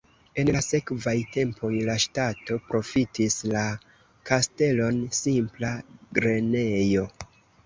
En la sekvaj tempoj la ŝtato profitis la kastelon simpla grenejo.